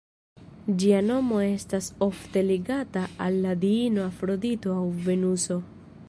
Ĝia nomo estas ofte ligata al la diino Afrodito aŭ Venuso.